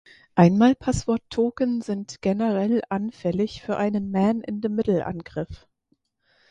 Einmalpasswort-Token sind generell anfällig für einen Man-in-the-middle-Angriff.